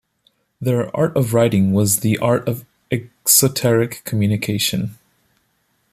Their "art of writing" was the art of "exoteric" communication.